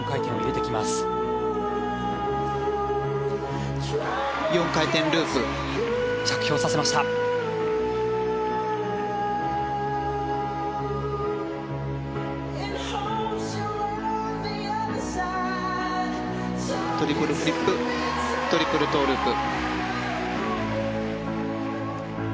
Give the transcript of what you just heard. トリプルフリップトリプルトウループ。